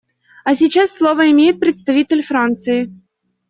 А сейчас слово имеет представитель Франции.